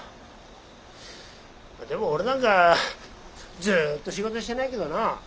でも俺なんかずっと仕事してないけどな。